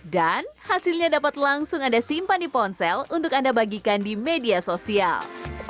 hasilnya dapat langsung anda simpan di ponsel untuk anda bagikan di media sosial